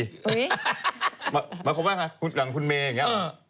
หมายความว่าไงหลังคุณเมย์อย่างนี้